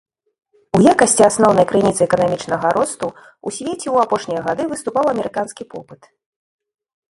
У якасці асноўнай крыніцы эканамічнага росту ў свеце ў апошнія гады выступаў амерыканскі попыт.